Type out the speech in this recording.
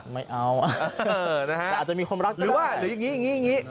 ไม่เอาอะหรืออย่างนี้